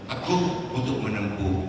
aku untuk menempuh